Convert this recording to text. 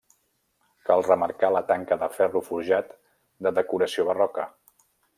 Cal remarcar la tanca de ferro forjat de decoració barroca.